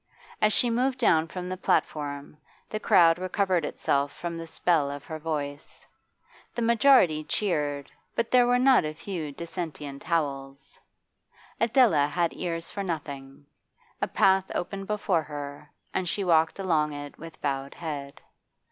As she moved down from the platform the crowd recovered itself from the spell of her voice. The majority cheered, but there were not a few dissentient howls. Adela had ears for nothing; a path opened before her, and she walked along it with bowed head.